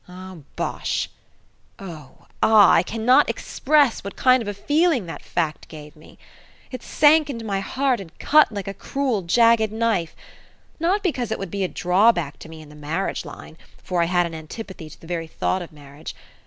Ah, bosh! Oh! Ah! I cannot express what kind of a feeling that fact gave me. It sank into my heart and cut like a cruel jagged knife not because it would be a drawback to me in the marriage line, for I had an antipathy to the very thought of marriage.